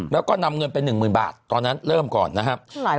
แล้วก็นำเงินไป๑๐๐๐บาทตอนนั้นเริ่มก่อนนะครับ